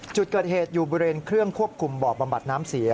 จุดเกิดเหตุอยู่บริเวณเครื่องควบคุมบ่อบำบัดน้ำเสีย